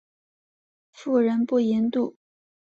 妇人不淫妒。